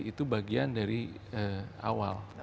itu bagian dari awal